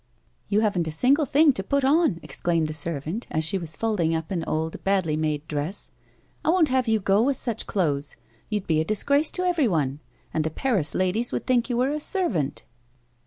" You haven't a single thing to put on," exclaimed tlie servant, as she was folding up an old, badlj made dress. " I won't have you go with such clothes ; you'd be a dis grace to everyone, and the Paris ladies would think you were a servant."